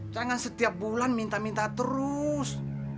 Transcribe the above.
jangan setiap bulan minta minta terus